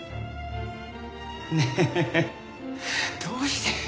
どうして？